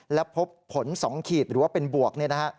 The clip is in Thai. แล้วพบผล๒ขีดหรือว่าเป็นบวก